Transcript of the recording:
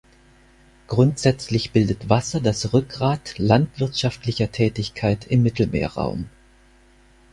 Grundsätzlich bildet Wasser das Rückgrat landwirtschaftlicher Tätigkeit im Mittelmeerraum.